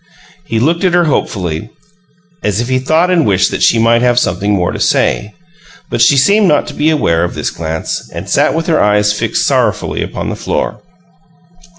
He looked at her hopefully, as if he thought and wished that she might have something more to say. But she seemed not to be aware of this glance, and sat with her eyes fixed sorrowfully upon the floor.